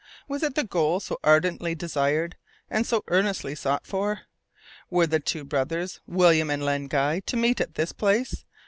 Was it the goal so ardently desired and so earnestly sought for? Were the two brothers, William and Len Guy, to meet at this place?